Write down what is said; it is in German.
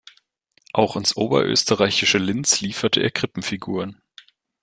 Auch ins oberösterreichische Linz lieferte er Krippenfiguren.